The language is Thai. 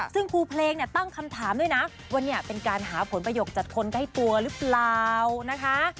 ซึ่งคู่เพลงตั้งคำถามด้วยนะวันนี้เป็นการหาผลประโยคจัดคนใกล้ตัวหรือเปล่านะคะ